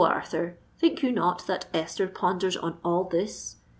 Arthur, think you not that Esther ponders on all this?